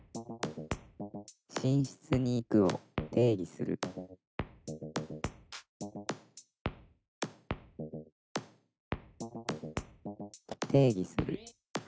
「寝室に行く」を定義する定義する。